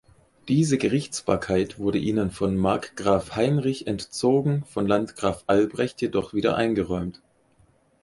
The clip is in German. Diese Gerichtsbarkeit wurde ihnen von Markgraf Heinrich entzogen, von Landgraf Albrecht jedoch wieder eingeräumt.